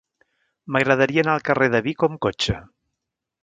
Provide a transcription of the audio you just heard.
M'agradaria anar al carrer de Vico amb cotxe.